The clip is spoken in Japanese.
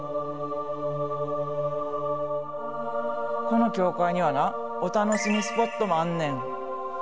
この教会にはなお楽しみスポットもあんねん。